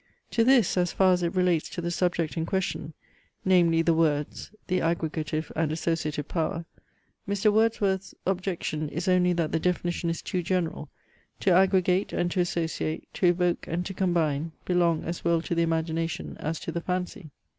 To this, as far as it relates to the subject in question, namely the words (the aggregative and associative power) Mr. Wordsworth's "objection is only that the definition is too general. To aggregate and to associate, to evoke and to combine, belong as well to the Imagination as to the Fancy."